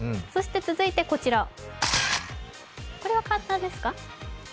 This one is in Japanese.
続いてこちら、これは簡単ですか。